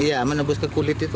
iya menebus ke kulit itu